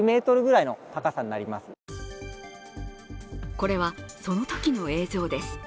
これは、そのときの映像です。